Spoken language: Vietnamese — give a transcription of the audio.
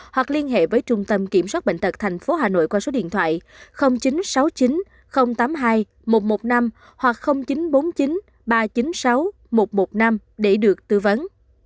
hoặc liên hệ với trung tâm kiểm soát bệnh tật tp hà nội qua số điện thoại chín trăm sáu mươi chín tám mươi hai một trăm một mươi năm hoặc chín trăm bốn mươi chín ba trăm chín mươi sáu một trăm một mươi năm để được tư vấn